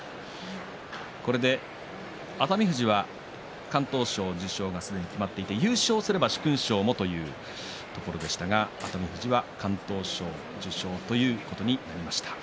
これで熱海富士は敢闘賞受賞がすでに決まっていて優勝すれば殊勲賞もというところでしたが熱海富士は敢闘賞受賞ということになりました。